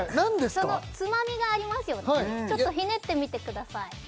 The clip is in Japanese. そのツマミがありますよねちょっとひねってみてください